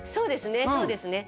そうですね